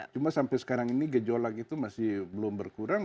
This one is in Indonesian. cuma sampai sekarang ini gejolak itu masih belum berkurang